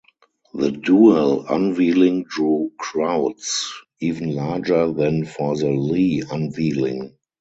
The dual unveiling drew crowds even larger than for the Lee unveiling.